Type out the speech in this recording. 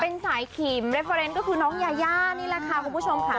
เป็นสายขิมเรฟเฟอร์เนสก็คือน้องยายานี่แหละค่ะคุณผู้ชมค่ะ